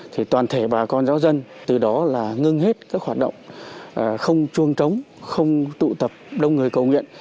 thì toàn thể bà con giáo dân từ đó là ngưng hết các hoạt động không chuông trống không tụ tập đông người cầu nguyện